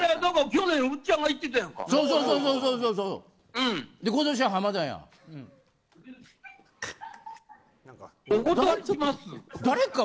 去年、うっちゃんが行ってたやんか。